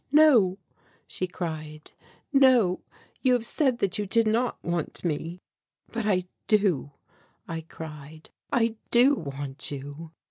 "No," she cried, "no, you have said that you did not want me." "But I do," I cried. "I do want you."